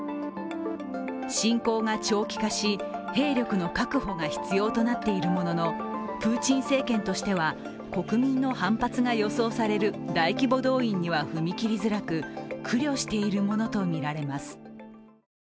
侵攻が長期化し、兵力の確保が必要となっているもののプーチン政権としては国民の反発が予想される大規模動員には踏み切りづらく苦慮しているものとみられます。